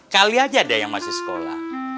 kali aja ada yang masih sekolah